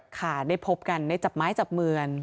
ค่ะได้พบกันได้จับไม้จับมือ